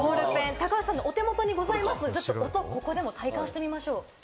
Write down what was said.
高橋さんのお手元にございます、こちらでも体感してみましょう。